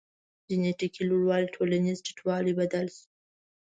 جنټیکي لوړوالی ټولنیز ټیټوالی بدل شو.